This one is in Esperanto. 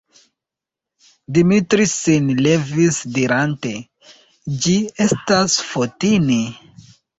Dimitri sin levis dirante: «Ĝi estas Fotini! »